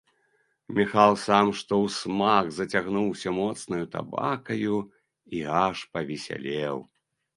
Міхал сама што ўсмак зацягнуўся моцнаю табакаю і аж павесялеў.